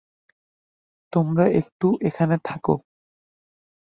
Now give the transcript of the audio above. তোমরা একটু এখানে থাকো।